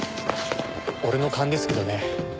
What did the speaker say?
俺の勘ですけどね